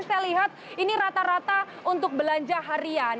saya lihat ini rata rata untuk belanja harian